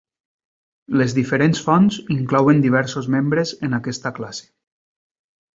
Les diferents fonts inclouen diversos membres en aquesta classe.